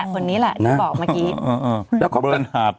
คนนี้แหละที่บอกเมื่อกี้